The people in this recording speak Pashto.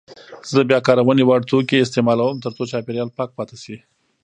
زه د بیاکارونې وړ توکي استعمالوم ترڅو چاپیریال پاک پاتې شي.